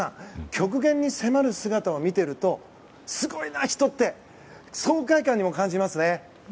極限に迫る姿を見ているとすごいな、人！って爽快感を感じますよね。